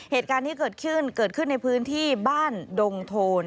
เหตุการณ์ที่เกิดขึ้นเกิดขึ้นในพื้นที่บ้านดงโทน